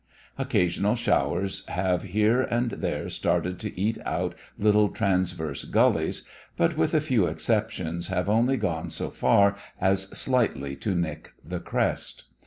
Occasional showers have here and there started to eat out little transverse gullies, but with a few exceptions have only gone so far as slightly to nick the crest.